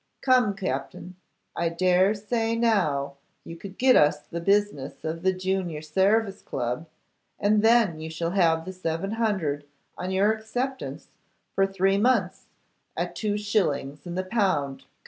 Come, Captin, I dare say now you could get us the business of the Junior Sarvice Club; and then you shall have the seven hundred on your acceptance for three months, at two shillings in the pound; come!